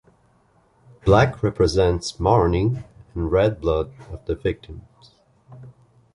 Black represents mourning and red blood of the victims.